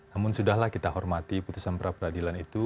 namun sudah lah kita hormati putusan praperadilan itu